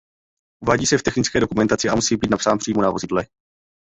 Uvádí se v technické dokumentaci a musí být napsán přímo na vozidle.